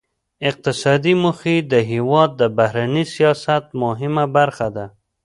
اقتصادي موخې د هیواد د بهرني سیاست مهمه برخه ده